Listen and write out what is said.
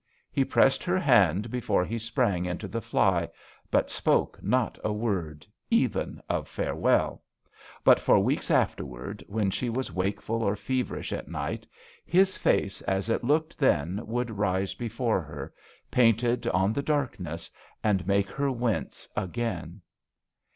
He pressed her hand before he sprang into the fly, but spoke not a word, even of farewell, but for weeks afterwardsi when she was wake ful or feverish at night, his face as it looked then would rise before her, painted on the darkness, and make her wince again.